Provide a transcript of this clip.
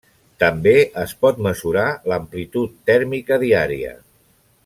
També es pot mesurar l'amplitud tèrmica diària.